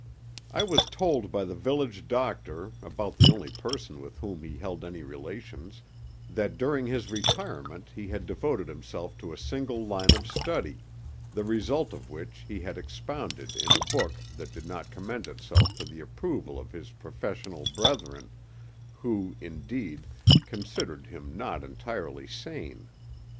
I was told by the village doctor, about the only person with whom he held any relations, that during his retirement he had devoted himself to a single line of study, the result of which he had expounded in a book that did not commend itself to the approval of his professional brethren, who, indeed, considered him not entirely sane.